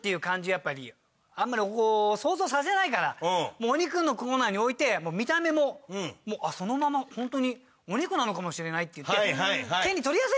やっぱりあんまりこう想像させないからお肉のコーナーに置いて見た目もそのまま本当にお肉なのかもしれないっていって。